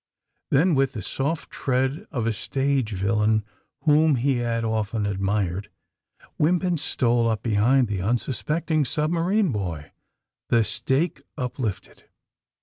Then, with the soft tread of a stage villain whom he had often admired, Wimpins stole up behind the unsuspecting submarine boy, the stake up lifted.